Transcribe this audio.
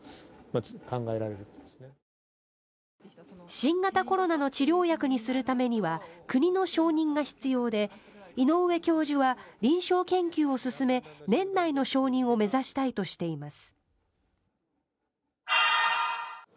新型コロナの治療薬にするためには国の承認が必要で井上教授は臨床研究を進め年内の承認を目指したいとしています。